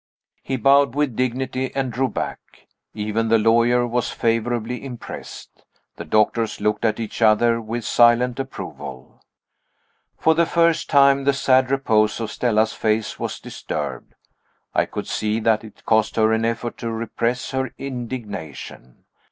He bowed with dignity and drew back. Even the lawyer was favorably impressed. The doctors looked at each other with silent approval. For the first time, the sad repose of Stella's face was disturbed I could see that it cost her an effort to repress her indignation.